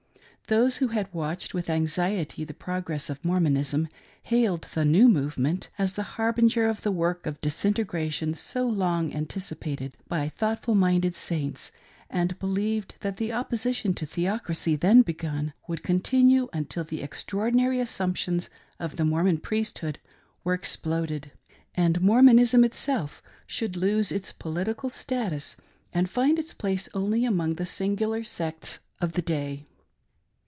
Those who had watched with anxiety the progress of Mormonism, hailed the " New Movement " as the harbinger of the work of disintegration so long anticipated by the thoughtful minded Saints, and believed that the opposition to Theocracy then begun, would continue until the extraordi nary assumptions of the Mormon priesthood were exploded, and Mormonism itself should lose its political status and find its place only among the singular sects of the day.